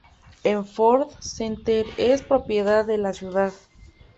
El Ford Center es propiedad de la ciudad.